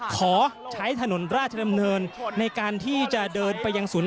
ขอใช้ถนนราชดำเนินในการที่จะเดินไปยังศูนย์